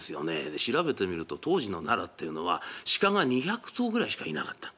で調べてみると当時の奈良っていうのは鹿が２００頭ぐらいしかいなかった。